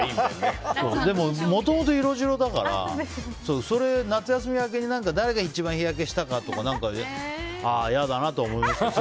でも、もともと色白だからそれ夏休み明けに誰が一番日焼けしたかとか嫌だなとは思いました。